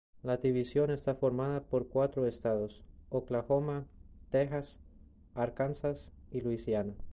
La división está formada por cuatro estadosː Oklahoma, Texas, Arkansas y Luisiana.